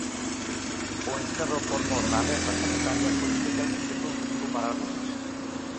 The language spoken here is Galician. O encerro por mor da alerta sanitaria foi especialmente produtivo para algunhas.